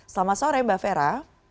selamat sore mbak fera